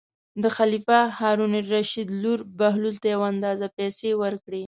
د خلیفه هارون الرشید لور بهلول ته یو اندازه پېسې ورکړې.